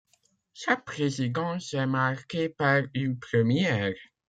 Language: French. Sa présidence est marquée par une première?